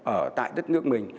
ở tại đất nước mình